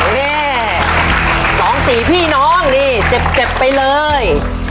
เฮ่ยสองสี่พี่น้องนี่เจ็บไปเลย